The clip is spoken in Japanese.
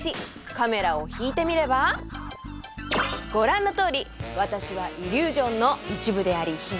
カメラを引いてみればご覧のとおり私はイリュージョンの一部であり悲劇でも何でもありません。